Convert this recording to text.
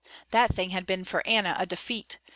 That thing had been for Anna a defeat.